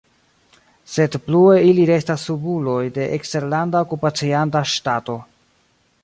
Sed plue ili restas subuloj de eksterlanda okupacianta ŝtato.